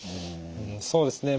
そうですね。